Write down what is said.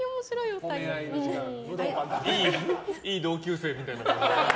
いい同級生みたいな。